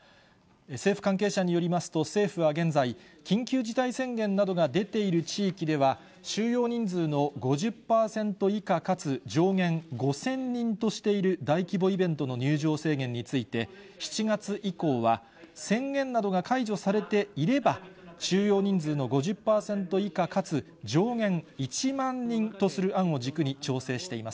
政府関係者によりますと、政府は現在、緊急事態宣言などが出ている地域では、収容人数の５０％以下かつ上限５０００人としている、大規模イベントの入場制限について、７月以降は宣言などが解除されていれば、収容人数の５０％以下かつ上限１万人とする案を軸に調整していま